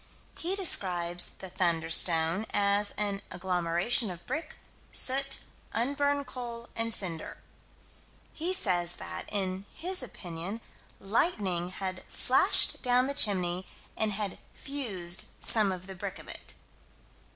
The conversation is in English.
He describes the "thunderstone" as an "agglomeration of brick, soot, unburned coal, and cinder." He says that, in his opinion, lightning had flashed down the chimney, and had fused some of the brick of it.